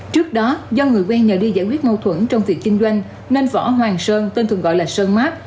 trước đó do người quen nhờ đi giải quyết mâu thuẫn trong việc kinh doanh nên võ hoàng sơn tên thường gọi là sơn mát